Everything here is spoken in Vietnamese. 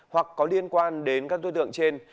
hoặc có liên quan đến các tối tượng trên